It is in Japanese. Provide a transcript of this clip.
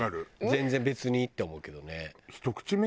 全然別にって思うけどね。